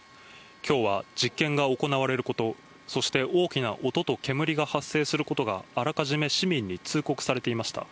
きょうは実験が行われること、そして大きな音と煙が発生することが、あらかじめ市民に通告されていました。